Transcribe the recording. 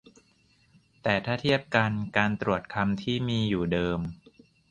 แต่ถ้าเทียบกันการตรวจคำที่มีอยู่เดิม